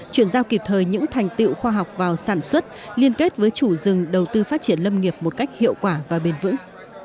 chuyển giao kịp thời những thành tựu khoa học vào sản xuất liên kết với chủ rừng đầu tư phát triển lâm nghiệp một cách hiệu quả và bền vững